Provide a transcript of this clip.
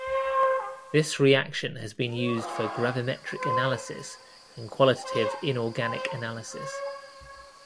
This reaction has been used for gravimetric analysis and qualitative inorganic analysis.